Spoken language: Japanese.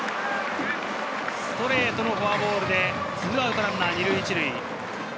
ストレートのフォアボールで２アウトランナー２塁１塁。